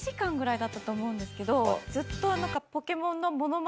ずっと。